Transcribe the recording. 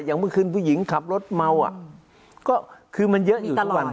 อย่างเมื่อคืนผู้หญิงขับรถเมาก็คือมันเยอะอยู่ทุกวัน